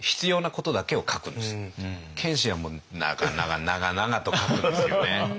謙信はもう長々長々と書くんですよね。